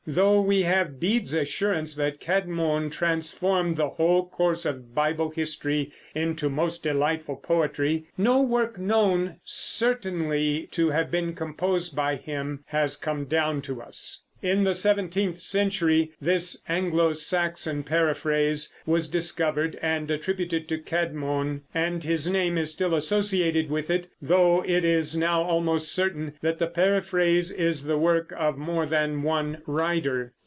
Though we have Bede's assurance that Cædmon "transformed the whole course of Bible history into most delightful poetry," no work known certainly to have been composed by him has come down to us. In the seventeenth century this Anglo Saxon Paraphrase was discovered and attributed to Cædmon, and his name is still associated with it, though it is now almost certain that the Paraphrase is the work of more than one writer.